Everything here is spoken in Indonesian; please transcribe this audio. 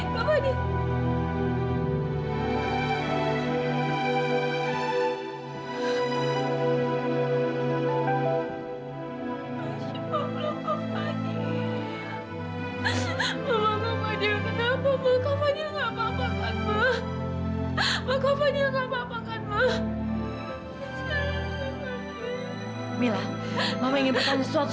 mama luffy mana suser suser